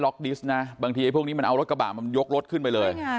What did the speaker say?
ดิสต์นะบางทีพวกนี้มันเอารถกระบะมันยกรถขึ้นไปเลย